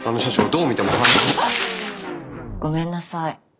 ごめんなさい。